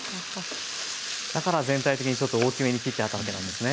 だから全体的にちょっと大きめに切ってあったわけなんですね。